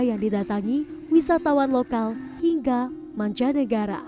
yang didatangi wisatawan lokal hingga manca negara